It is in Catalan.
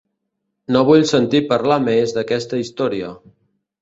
No vull sentir parlar més d'aquesta història.